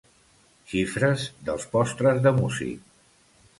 Xifres dels postres de músic.